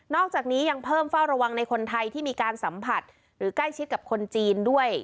อกจากนี้ยังเพิ่มเฝ้าระวังในคนไทยที่มีการสัมผัสหรือใกล้ชิดกับคนจีนด้วย